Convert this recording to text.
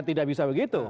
tidak bisa begitu